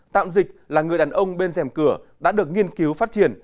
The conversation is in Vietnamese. tạm dịch là người đàn ông bên dèm cửa đã được nghiên cứu phát triển